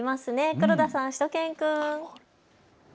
黒田さん、しゅと犬くん。